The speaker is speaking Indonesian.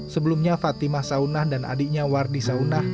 sebelumnya fatimah saunah dan adiknya wardi saunah